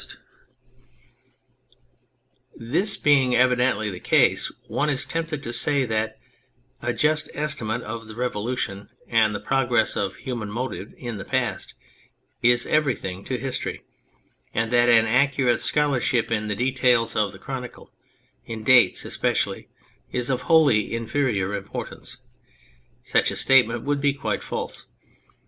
122 On the Method of History This being evidently the case, one is tempted to say that a just estimate of the revolution and the progression of human motive in the past is everything to history, and that an accurate scholarship in the details of the chronicle, in dates especially, is of wholly inferior importance. Such a statement would be quite false.